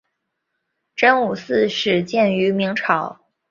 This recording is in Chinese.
真武庙始建于明朝。